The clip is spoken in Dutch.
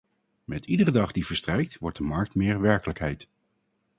Met iedere dag die verstrijkt wordt de markt meer werkelijkheid.